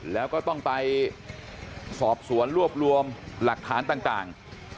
แล้วก็ต้องไปสอบสวนรวบรวมหลักฐานต่าง